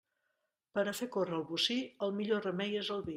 Per a fer córrer el bocí, el millor remei és el vi.